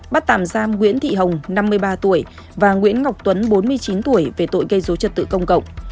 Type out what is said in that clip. bắt tạm giam nguyễn thị hồng năm mươi ba tuổi và nguyễn ngọc tuấn bốn mươi chín tuổi về tội gây dối trật tự công cộng